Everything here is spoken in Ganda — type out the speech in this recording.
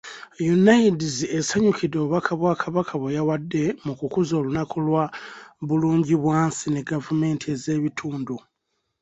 UNAIDS esanyukidde obubaka bwa Kabaka bwe yawadde mu kukuza olunaku lwa Bulungibwansi ne Gavumenti ez'ebitundu